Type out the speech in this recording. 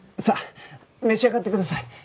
さあ召し上がってください。